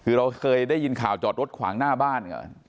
คือเราเคยได้ยินข่าวจอดรถขวางหน้าบ้านก่อน